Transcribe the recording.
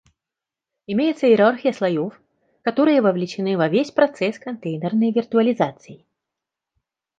Имеется иерархия слоев, которые вовлечены во весь процесс контейнерной виртуализации